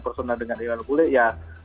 personal dengan iwan bule ya